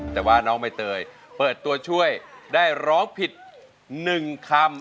แต่ว่าน้องใบเตยเปิดตัวช่วยได้ร้องผิด๑คำ